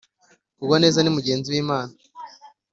kugwa neza ni mugenzi w’imana